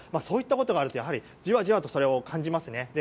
そういったことがあるとじわじわそれを感じますね。